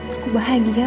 aku bahagia banget